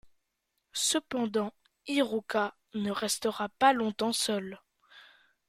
Cependant, Hiruka ne restera pas longtemps seul.